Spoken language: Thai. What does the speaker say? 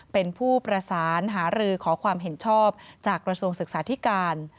เป็นผู้ประสานหารือขอความเห็นชอบจากกระทรวงศึกษาธิการ